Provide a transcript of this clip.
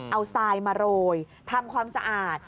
เอาทรายมาโรยทำความสะอาด